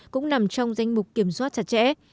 cũng nằm trong danh mục kiểm soát chặt chẽ